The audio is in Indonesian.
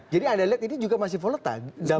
jadi anda lihat ini juga masih volatile